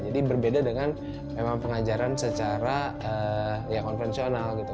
jadi berbeda dengan memang pengajaran secara ya konvensional gitu